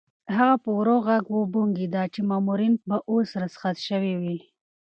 هغه په ورو غږ وبونګېده چې مامورین به اوس رخصت شوي وي.